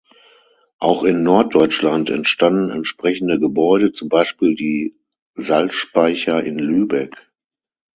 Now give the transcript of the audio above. Auch in Norddeutschland entstanden entsprechende Gebäude, zum Beispiel die Salzspeicher in Lübeck.